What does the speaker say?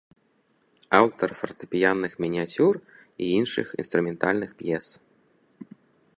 Аўтар фартэпіянных мініяцюр і іншых інструментальных п'ес.